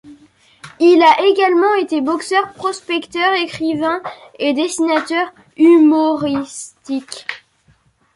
Il a également été boxer, prospecteur, écrivain et dessinateur humoristique.